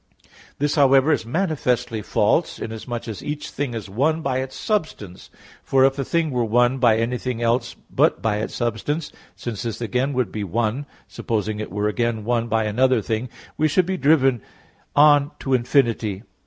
This, however, is manifestly false, inasmuch as each thing is "one" by its substance. For if a thing were "one" by anything else but by its substance, since this again would be "one," supposing it were again "one" by another thing, we should be driven on to infinity.